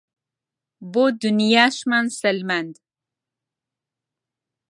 بۆ دونیاشمان سەلماند